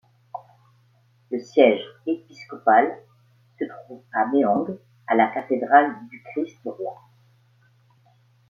Le siège épiscopal se trouve à Mahenge, à la cathédrale du Christ-Roi.